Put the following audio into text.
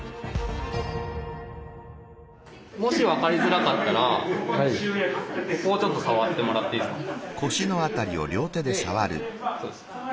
もし分かりづらかったらここをちょっと触ってもらっていいですか？